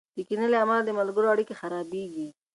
د کینې له امله د ملګرو اړیکې خرابېږي.